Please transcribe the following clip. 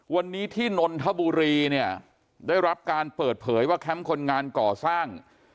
วันนี้ที่นนทบุรีเนี่ยได้รับการเปิดเผยว่าแคมป์คนงานก่อสร้าง